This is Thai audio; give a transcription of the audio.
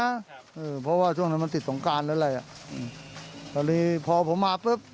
ครับเออพอว่าช่วงนั้นมันติดส่งการหรืออะไรอ่ะอือตอนนี้พอผมมาปุ๊บ